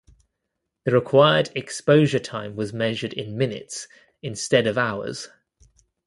The required exposure time was measured in minutes instead of hours.